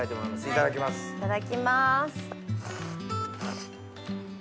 いただきます。